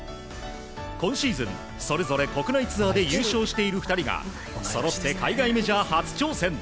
今シーズン、それぞれ国内ツアーで優勝している２人がそろって海外メジャー初挑戦。